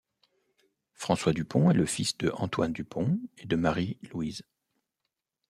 François Dupont est le fils de Antoine Dupont et de Marie-Louise.